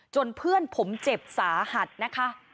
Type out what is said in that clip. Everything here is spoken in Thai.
เพื่อนผมเจ็บสาหัสนะคะ